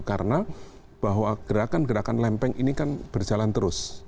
karena bahwa gerakan gerakan lempeng ini kan berjalan terus